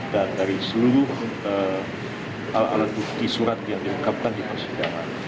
dan dari seluruh alat alat bukti surat yang diungkapkan di persidangan